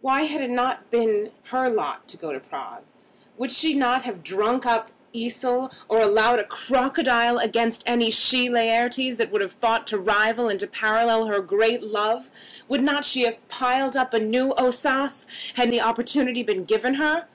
Why had it not been her lot to go to Prague? Would not she have drunk up Esil, or swallowed a crocodile against any she Laertes that would have thought to rival and to parallel her great love? Would not she have piled up new Ossas, had the opportunity been given her?